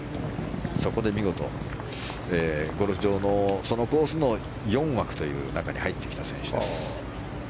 そこで見事、ゴルフ場のそのコースの４枠という中に入ってきた選手です。